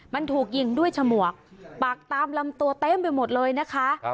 มันถูกยิงด้วยฉมวกปากตามลำตัวเต็มไปหมดเลยนะคะ